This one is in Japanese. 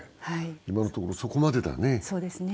今のところ、そこまでだよね。